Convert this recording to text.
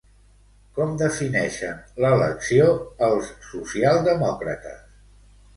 Com defineixen l'elecció els socialdemòcrates?